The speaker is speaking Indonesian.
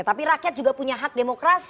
tapi rakyat juga punya hak demokrasi